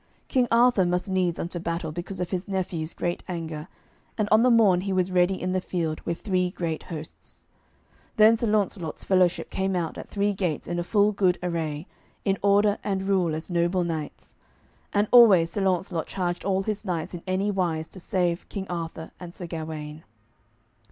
King Arthur must needs unto battle because of his nephew's great anger, and on the morn he was ready in the field with three great hosts. Then Sir Launcelot's fellowship came out at three gates in a full good array, in order and rule as noble knights. And always Sir Launcelot charged all his knights in any wise to save King Arthur and Sir Gawaine.